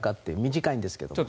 短いんですけども。